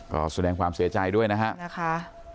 ขอแสดงความเสียใจด้วยนะครับ